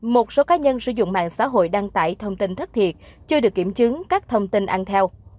một số cá nhân sử dụng mạng xã hội đăng tải thông tin thất thiệt chưa được kiểm chứng các thông tin ăn theo